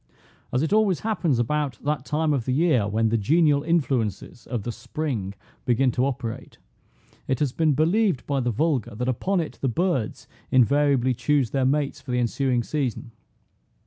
As it always happens about that time of the year, when the genial influences of the spring begin to operate, it has been believed by the vulgar, that upon it the birds invariably choose their mates for the ensuing season.